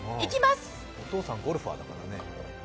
お父さんゴルファーだからね。